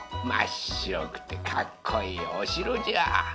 まっしろくてかっこいいおしろじゃ。